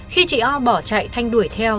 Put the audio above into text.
khi chị o bỏ chạy thanh đuổi theo